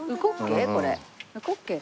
ウコッケイ？